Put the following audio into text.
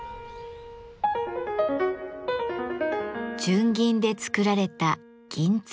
純銀で作られた「銀鶴」。